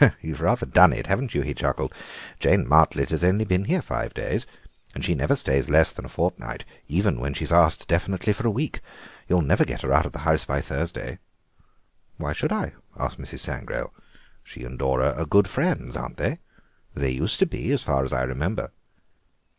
"You've rather done it, haven't you?" he chuckled; "Jane Martlet has only been here five days, and she never stays less than a fortnight, even when she's asked definitely for a week. You'll never get her out of the house by Thursday." "Why should I?" asked Mrs. Sangrail; "she and Dora are good friends, aren't they? They used to be, as far as I remember."